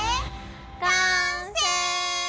完成！